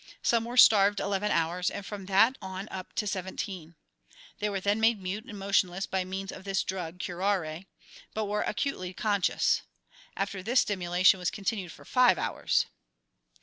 Some were starved eleven hours and from that on up to seventeen. They were then made mute and motionless by means of this drug, curare, but were acutely conscious. After this stimulation was continued for five hours.